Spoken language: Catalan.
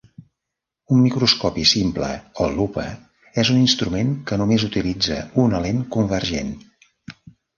Un microscopi simple o lupa és un instrument que només utilitza una lent convergent.